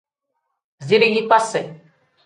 Zirigi kpasi.